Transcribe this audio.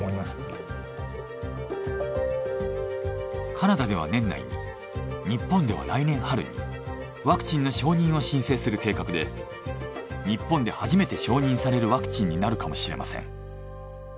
カナダでは年内に日本では来年春にワクチンの承認を申請する計画で日本で初めて承認されるワクチンになるかもしれません。